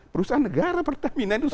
perusahaan negara pertamina itu satu persen